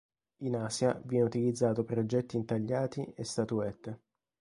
In Asia viene utilizzato per oggetti intagliati e statuette.